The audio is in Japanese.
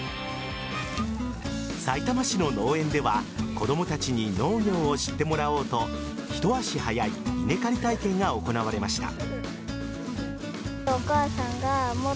さいたま市の農園では子供たちに農業を知ってもらおうとひと足早い稲刈り体験が行われました。